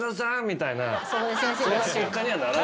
みたいな。